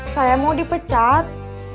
saya mau dipecat